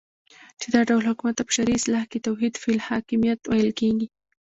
چی دا ډول حکومت ته په شرعی اصطلاح کی توحید فی الحاکمیت ویل کیږی